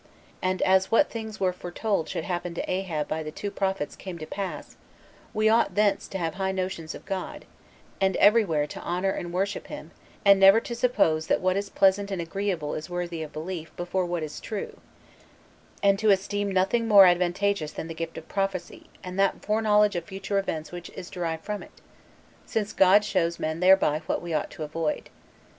And as what things were foretold should happen to Ahab by the two prophets came to pass, we ought thence to have high notions of God, and every where to honor and worship him, and never to suppose that what is pleasant and agreeable is worthy of belief before what is true, and to esteem nothing more advantageous than the gift of prophecy 44 and that foreknowledge of future events which is derived from it, since God shows men thereby what we ought to avoid.